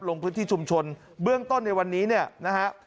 ลงพื้นที่ชุมชนเบื้องต้นในวันนี้เนี่ยนะฮะ